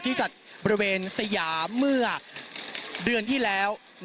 จัดบริเวณสยามเมื่อเดือนที่แล้ว